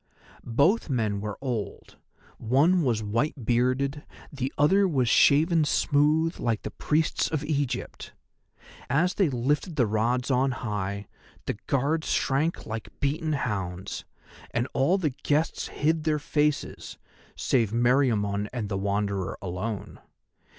Both men were old, one was white bearded, the other was shaven smooth like the priests of Egypt. As they lifted the rods on high the Guards shrank like beaten hounds, and all the guests hid their faces, save Meriamun and the Wanderer alone.